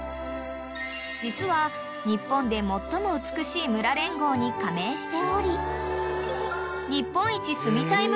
［実は「日本で最も美しい村」連合に加盟しており］